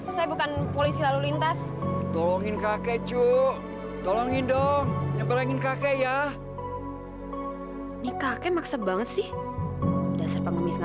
sampai jumpa di video selanjutnya